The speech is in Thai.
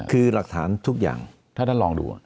คือหลักฐานทุกอย่างถ้าท่านลองดู